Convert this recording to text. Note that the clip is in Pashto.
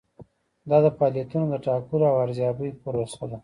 دا د فعالیتونو د ټاکلو او ارزیابۍ پروسه ده.